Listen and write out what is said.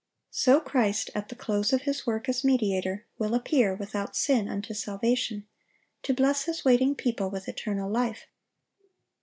So Christ, at the close of His work as mediator, will appear, "without sin unto salvation,"(867) to bless His waiting people with eternal life.